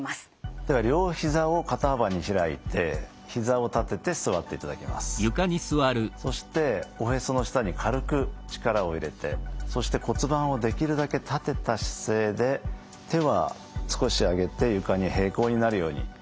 では両ひざを肩幅に開いてそしておへその下に軽く力を入れてそして骨盤をできるだけ立てた姿勢で手は少し上げて床に並行になるように。